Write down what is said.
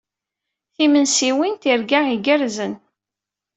Timensiwin, tirga igerrzen.